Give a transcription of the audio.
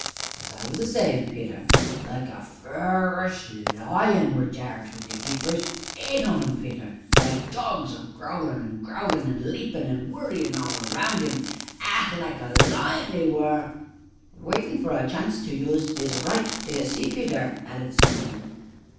As I was a sayin', Peter like a fur'us lion were Jarge wi' they keepers eight on 'em, Peter like dogs, a growlin' an' growlin', an' leapin', and worryin' all round 'im ah! like a lion 'e were " "Waitin' for a chance to use 'is 'right, d'ye see, Peter!" added Simon.